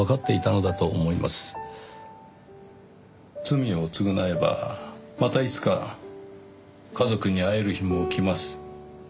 罪を償えばまたいつか家族に会える日も来ます。